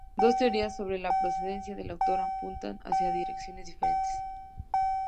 Dos teorías sobre la procedencia del autor apuntan hacia direcciones diferentes.